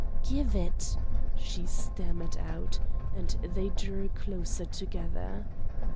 "Give it!" she stammered out, and they drew closer together.